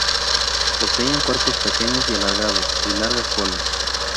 Poseían cuerpos pequeños y alargados, y larga cola.